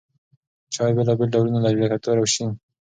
چای بېلابېل ډولونه لري لکه تور او شین.